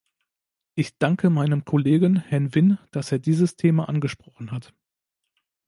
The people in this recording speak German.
Ich danke meinem Kollegen, Herrn Wynn, dass er dieses Thema angesprochen hat.